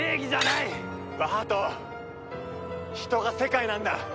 バハト人が世界なんだ。